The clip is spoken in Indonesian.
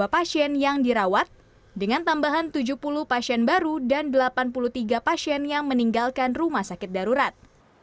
dua pasien yang dirawat dengan tambahan tujuh puluh pasien baru dan delapan puluh tiga pasien yang meninggalkan rumah sakit darurat